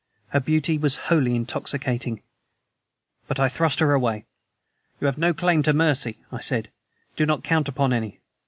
Her beauty was wholly intoxicating. But I thrust her away. "You have no claim to mercy," I said. "Do not count upon any.